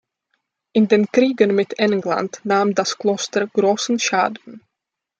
In den Kriegen mit England nahm das Kloster großen Schaden.